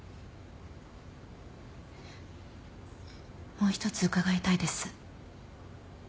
もう一つ伺いたいです。